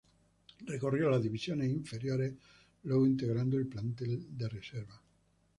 Recorrió las divisiones inferiores, luego integrando el plante de reserva.